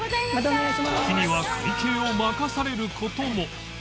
時には会計を任される事も